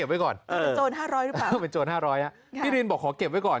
เก็บไว้ก่อนโจรห้าร้อยหรือเปล่าเป็นโจรห้าร้อยอ่ะพี่รินบอกขอเก็บไว้ก่อน